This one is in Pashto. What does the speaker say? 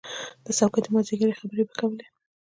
د څوکۍ د مازدیګري خبرې به یې کولې.